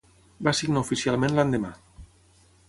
Va signar oficialment l'endemà.